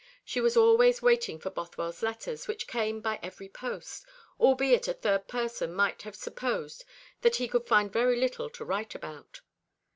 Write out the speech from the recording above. She was always waiting for Bothwell's letters, which came by every post, albeit a third person might have supposed that he could find very little to write about.